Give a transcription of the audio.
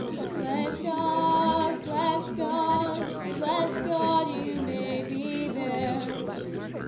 Bless God ! bless God ! Bless God, you may be there